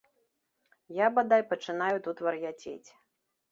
Я, бадай, пачынаю тут вар'яцець.